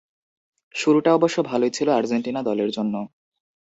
শুরুটা অবশ্য ভালোই ছিল আর্জেন্টিনা দলের জন্য।